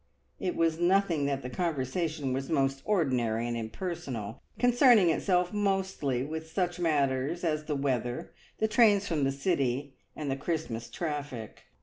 It was nothing that the conversation was most ordinary and impersonal, concerning itself mostly with such matters as the weather, the trains from the city, and the Christmas traffic.